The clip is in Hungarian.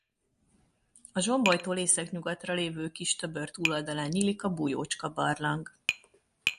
A zsombolytól északnyugatra lévő kis töbör túloldalán nyílik a Bújócska-barlang.